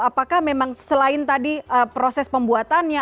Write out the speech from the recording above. apakah memang selain tadi proses pembuatannya